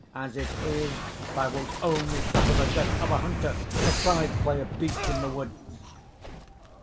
As it is, thou wilt only suffer the death of a hunter surprised by a beast in the woods."